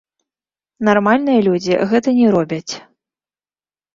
Нармальныя людзі гэта не робяць.